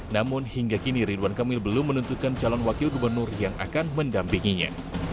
namun hingga kini ridwan kamil belum menentukan calon wakil gubernur yang akan mendampinginya